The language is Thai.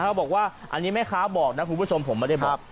บอกว่าอันนี้แม่ค้าบอกนะคุณผู้ชมผมไม่ได้บอก